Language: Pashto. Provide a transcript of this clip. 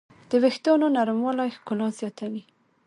د وېښتیانو نرموالی ښکلا زیاتوي.